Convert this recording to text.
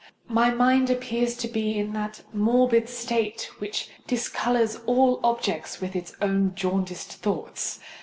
my mind appears to be in that morbid state which discolours all objects with its own jaundiced thoughts.